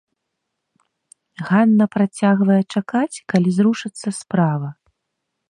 Ганна працягвае чакаць, калі зрушыцца справа.